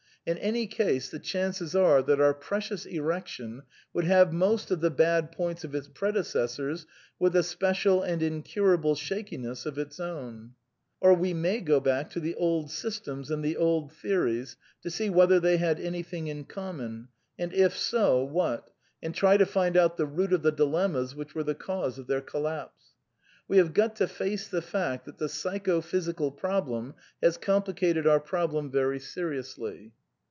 In any case, the chances are that our precious erection would have most of the bad points of its predecessors with a spe cial and incurable shakiness of its own. Or we may go back to the old systems and the old theo \f ries, to see whether they had anything in common, and if ( 3 so what, and try to find out the root of the dilemmas which ^~ were the cause of their collapse. We have gQt^ toJ[aceiha. f act that til ft pfly^^j^ Qphy siGal problem has complicated our problem very seriously.